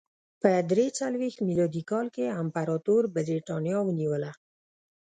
په درې څلوېښت میلادي کال کې امپراتور برېټانیا ونیوله